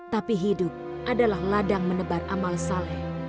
tapi hidup adalah ladang menebar amal saleh